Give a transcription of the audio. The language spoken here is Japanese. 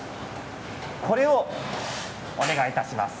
こちら、お願いいたします。